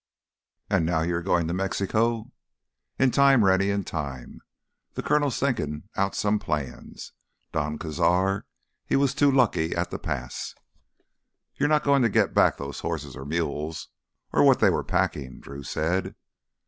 "And now you're goin' to Mexico?" "In time, Rennie, in time. Th' Colonel's thinkin' out some plans. Don Cazar, he was too lucky at th' pass." "You're not goin' to get back those horses or mules—or what they were packin'," Drew said.